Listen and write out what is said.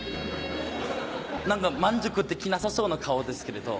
何か満足できなさそうな顔ですけれど。